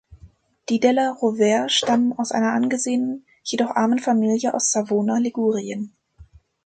Die della Rovere stammen aus einer angesehenen, jedoch armen Familie aus Savona, Ligurien.